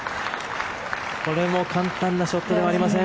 これも簡単なショットではありません。